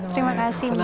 terima kasih mbak